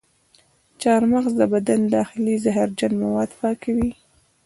چارمغز د بدن داخلي زهرجن مواد پاکوي.